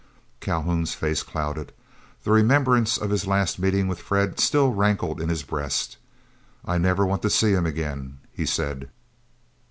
Calhoun's face clouded. The remembrance of his last meeting with Fred still rankled in his breast. "I never want to see him again," he said.